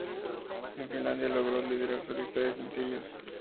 En Finlandia logró liderar su lista de sencillos.